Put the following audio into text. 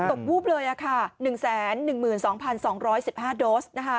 ตกวูบเลย๑แสน๑๒๒๑๕โดส